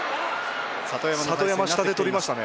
里山下手取りましたね。